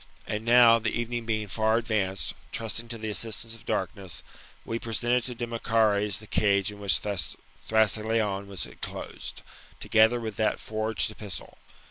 And now, the evening being far advanced, trusting to the assistance of darkness, we presented to Demochares the cage in which Thrasyleon was enclosed, together with that forged epistle.